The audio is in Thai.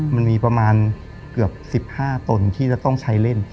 มันมีประมาณเกือบ๑๕ตนที่จะต้องใช้เล่น